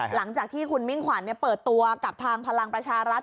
หลังจากที่คุณมิ่งขวัญเปิดตัวกับทางพลังประชารัฐ